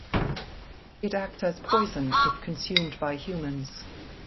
It acts as poison if consumed by humans.